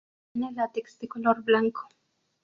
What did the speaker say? Tiene látex de color blanco.